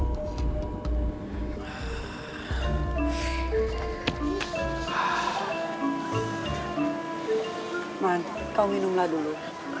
roman kau minumlah dulu